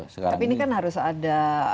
sekarang ini tapi ini kan harus ada